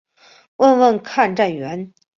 问问看站员